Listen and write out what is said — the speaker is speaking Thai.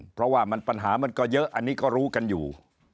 เพราะว่าปัญหามันก็เยอะอันนี้ก็รู้กันอยู่